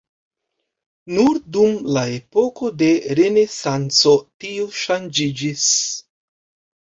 Nur dum la epoko de renesanco tio ŝanĝiĝis.